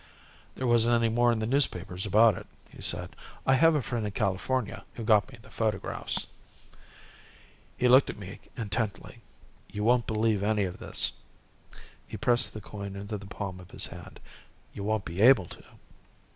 "There wasn't any more in the newspapers about it," he said. "I have a friend in California who got me the photographs." _He looked at me intently. "You won't believe any of this." He pressed the coin into the palm of his hand. "You won't be able to."